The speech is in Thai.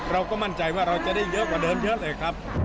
เราก็มั่นใจว่าเราจะได้เยอะกว่าเดิมเยอะเลยครับ